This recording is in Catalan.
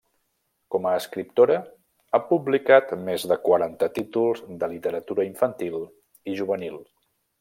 Com a escriptora ha publicat més de quaranta títols de literatura infantil i juvenil.